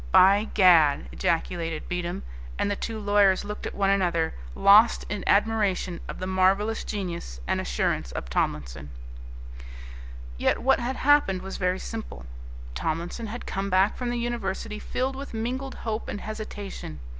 "By Gad!" ejaculated Beatem, and the two lawyers looked at one another, lost in admiration of the marvellous genius and assurance of Tomlinson. Yet what had happened was very simple. Tomlinson had come back from the university filled with mingled hope and hesitation.